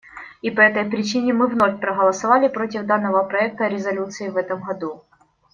И по этой причине мы вновь проголосовали против данного проекта резолюции в этом году.